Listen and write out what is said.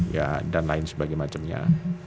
ya dan lain sebagainya